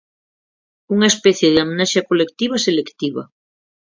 Unha especie de amnesia colectiva selectiva.